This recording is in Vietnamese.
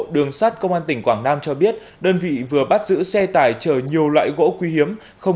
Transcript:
đường sát công an tỉnh quảng nam cho biết đơn vị vừa bắt giữ xe tải chở nhiều loại gỗ quý hiếm không